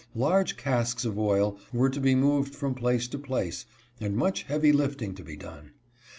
Large casks of oil were to be moved from place to place and much heavy lifting to be done.